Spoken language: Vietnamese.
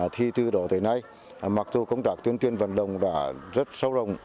thì từ đó tới nay mặc dù công tác tuyên truyền vận động đã rất sâu rộng